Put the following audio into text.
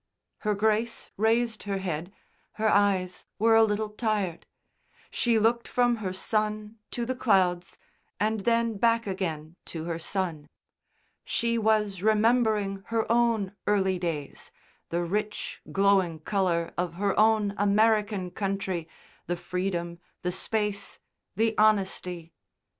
'" Her Grace raised her head. Her eyes were a little tired. She looked from her son to the clouds, and then back again to her son. She was remembering her own early days, the rich glowing colour of her own American country, the freedom, the space, the honesty.